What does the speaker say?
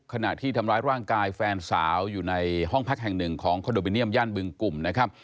ขณะที่ทำร้ายร่างกายแฟนสาวอยู่ในห้องพักแห่งหนึ่งของคอนโดมิเนียมย่านบึงกลุ่มนะครับ